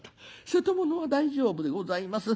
『瀬戸物は大丈夫でございます』